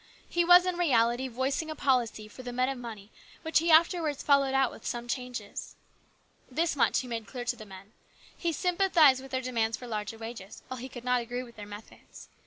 He was, in reality, voicing a policy 58 HIS BROTHER'S KEEPER. for the men of money which he afterwards followed out with some changes. This much he made clear to the men. He sym pathized with their demands for larger wages, while he could not agree with their methods.